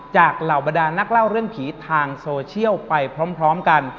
เหล่าบรรดานักเล่าเรื่องผีทางโซเชียลไปพร้อมกัน